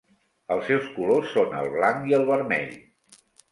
Els seus colors són el blanc i el vermell.